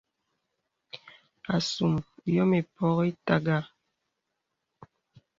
Asùm yòm ìpɔk ìtàgà.